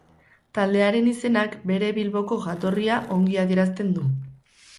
Taldearen izenak bere Bilboko jatorria ongi adierazten du.